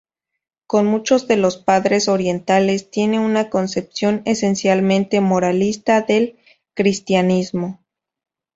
Como muchos de los Padres Orientales, tiene una concepción esencialmente moralista del cristianismo.